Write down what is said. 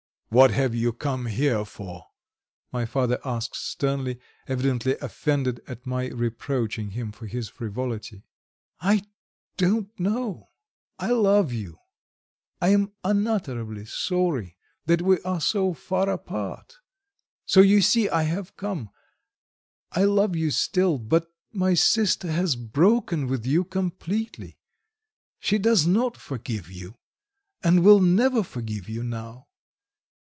"What have you come here for?" my father asked sternly, evidently offended at my reproaching him for his frivolity. "I don't know. I love you, I am unutterably sorry that we are so far apart so you see I have come. I love you still, but my sister has broken with you completely. She does not forgive you, and will never forgive you now.